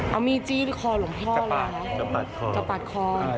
เอามีจี้หรือคอหลวงพ่อแล้วนะครับจะปาดคอพระพระ